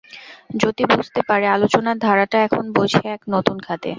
যতী বুঝতে পারে, আলোচনার ধারাটা এখন বইছে এক নতুন খাদে।